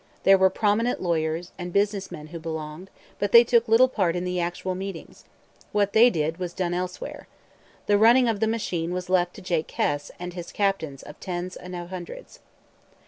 There were prominent lawyers and business men who belonged, but they took little part in the actual meetings. What they did was done elsewhere. The running of the machine was left to Jake Hess and his captains of tens and of hundreds.